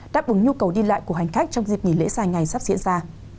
đáp ứng nhu cầu đi lại của hành khách trong dịp nghỉ lễ dài ngày sắp diễn ra